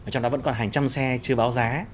trong đó vẫn còn hàng trăm xe chưa báo giá